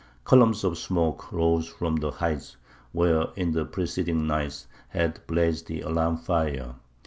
Columns of smoke rose from the heights where, in the preceding night, had blazed the alarm fire.